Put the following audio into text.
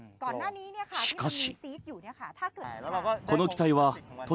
しかし。